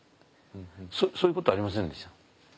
そういうことありませんでした？